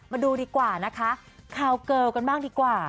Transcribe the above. มาดูดีกว่านะคะคาวเกิลกันบ้างดีกว่า